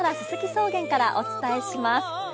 草原からお伝えします。